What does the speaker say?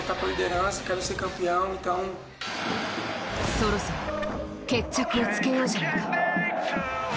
そろそろ決着をつけようじゃないか。